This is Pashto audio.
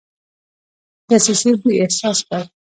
دسیسې بوی احساس کړ.